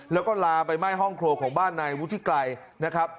แล้วก็ลามไปไหม้ห้องครัวของบ้านนายวุฒิไกรนะครับ